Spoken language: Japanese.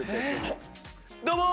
どうも。